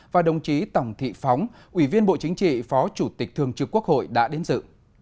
và đồng chí tổng thị phóng ủy viên bộ chính trị phó chủ tịch thường trực quốc hội đã đến dự